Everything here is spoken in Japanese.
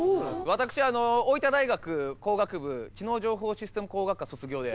私大分大学工学部知能情報システム工学科卒業で。